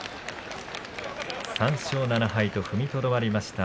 ３勝７敗と踏みとどまりました